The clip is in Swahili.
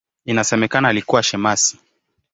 Inasemekana alikuwa shemasi.